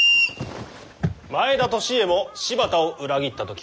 前田利家も柴田を裏切ったと聞く。